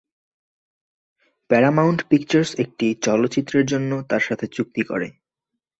Paramount Pictures একটি চলচ্চিত্রের জন্য তার সাথে চুক্তি করে।